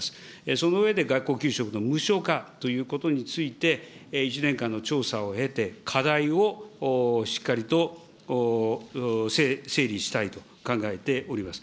その上で学校給食の無償化ということについて、１年間の調査を経て、課題をしっかりと整理したいと考えております。